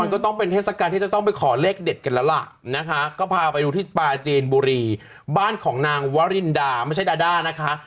ก็พาไปดูที่ปลาเจนบุรีบ้านของนางวรินดาไม่ใช่ดาด้านะคะ